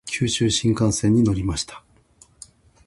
九州新幹線に乗りました。